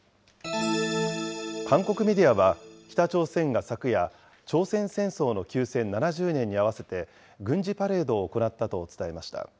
韓国メディアは、北朝鮮が昨夜、朝鮮戦争の休戦７０年に合わせて、軍事パレードを行ったと伝えました。